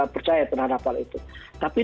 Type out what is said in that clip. percaya penandapan itu tapi